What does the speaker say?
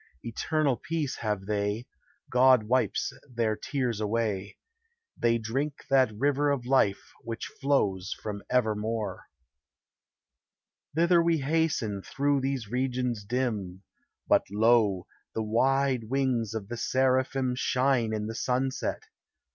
Eternal peace have they; God wipes their tears away: They drink that river of life which flows from Evermore. Thither we hasten through these regions dim, But, lo, the wide wings of the Seraphim IV — 26 402 THE HIGHER LIFE. Shine in the sunset